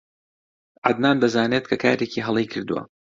عەدنان دەزانێت کە کارێکی هەڵەی کردووە.